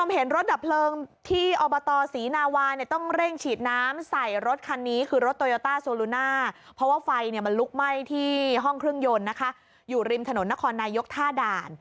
เพราะว่าไฟมันลุกไหม้ที่ห้องเครื่องยนต์อยู่ริมถนนนครนายกท่าด่าน